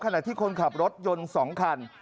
ขณะที่คนขับรถยนต์๒คัน